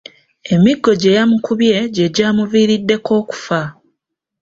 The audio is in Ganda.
Emiggo gye yamukubye gye gyamuviiriddeko okufa.